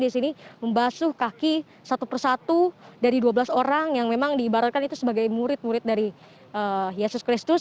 di sini membasuh kaki satu persatu dari dua belas orang yang memang diibaratkan itu sebagai murid murid dari yesus kristus